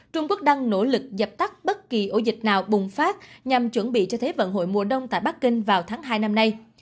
trung quốc đang nỗ lực dập tắt bất kỳ ổ dịch nào bùng phát nhằm chuẩn bị cho thế vận hội mùa đông tại bắc kinh vào tháng hai năm nay